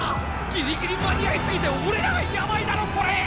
ギリギリ間に合いすぎて俺らがやばいだろこれー！